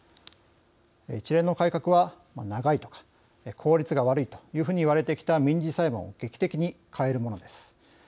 一連の改革は長いとか効率が悪いというふうに言われてきた民事裁判を劇的に変えるものです。